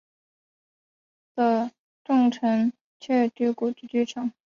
的重臣鹤谷氏之居城。